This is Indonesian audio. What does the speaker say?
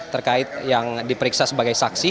terkait yang diperiksa sebagai saksi